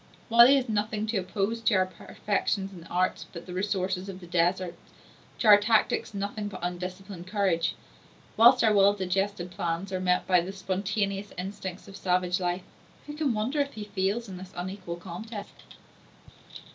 *a While he has nothing to oppose to our perfection in the arts but the resources of the desert, to our tactics nothing but undisciplined courage; whilst our well digested plans are met by the spontaneous instincts of savage life, who can wonder if he fails in this unequal contest?